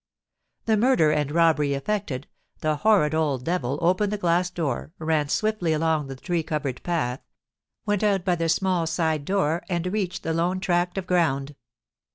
The murder and robbery effected, the horrid old devil opened the glass door, ran swiftly along the tree covered path, went out by the small side door, and reached the lone tract of ground.